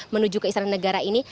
menuju ke istana negara ini